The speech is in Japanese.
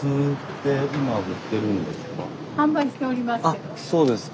あっそうですか。